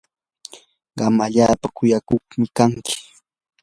qam allaapa kuyakuqmi kanki.